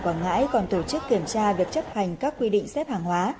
quảng ngãi còn tổ chức kiểm tra việc chấp hành các quy định xếp hàng hóa